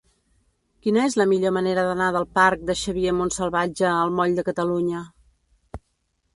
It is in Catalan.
Quina és la millor manera d'anar del parc de Xavier Montsalvatge al moll de Catalunya?